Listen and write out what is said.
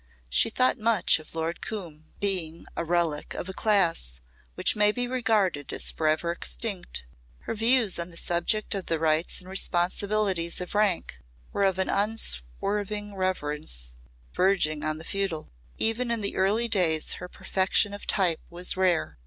She thought much of Lord Coombe. Being a relic of a class which may be regarded as forever extinct, her views on the subject of the rights and responsibilities of rank were of an unswerving reverence verging on the feudal. Even in early days her perfection of type was rare.